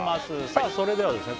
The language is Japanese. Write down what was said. さあそれではですね